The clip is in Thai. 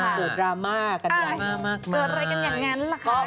เป็นดราม่าก็เกิดอะไรกันอย่างงั้นล่ะค่ะ